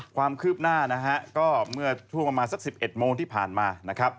ความคืบหน้าเมื่อทั่วประมาณสัก๑๑โมงที่ผ่านมา